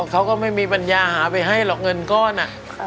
เขาก็ไม่มีปัญญาหาไปให้หรอกเงินก้อน